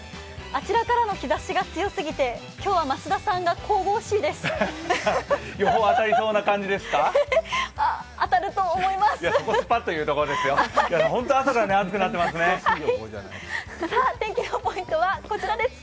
あちらからの日ざしが強すぎて今日は増田さんが神々しいです。